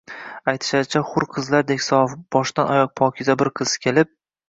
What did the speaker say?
— Аytishlaricha, hur qizlardek sof, boshdan-oyoq pokiza bir qiz kelib